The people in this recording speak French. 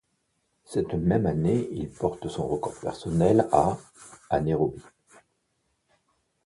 Cette même année, il porte son record personnel à à Nairobi.